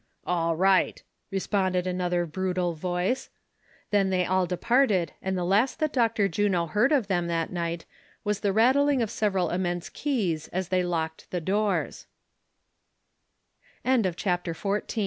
" "All right," responded another brutal voice ; then they all departed, and the last that Dr. Juno heard of them that night was the rattling of several immense keys as they locked